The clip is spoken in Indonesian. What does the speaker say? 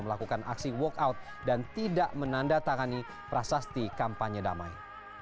melakukan aksi walkout dan tidak menandatangani prasasti kampanye damai